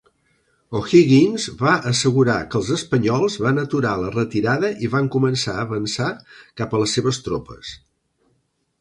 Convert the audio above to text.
O'Higgins va assegurar que els espanyols van aturar la retirada i van començar a avançar cap a les seves tropes.